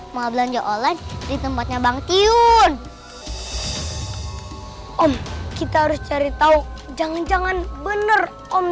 mau belanja oleh di tempatnya bang kiun om kita harus cari tahu jangan jangan bener om